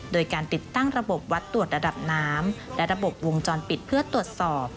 โดยการติดตั้งระบบวัดตรวจระดับน้ำและระบบวงจรปิดเพื่อตรวจสอบ